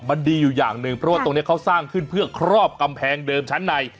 มันดีอยู่อย่างหนึ่งเพราะว่าตรงนี้เขาสร้างขึ้นเพื่อครอบกำแพงเดิมชั้นใน